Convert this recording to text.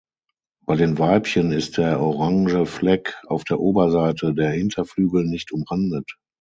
Bei den Weibchen ist der orange Fleck auf der Oberseite der Hinterflügel nicht umrandet.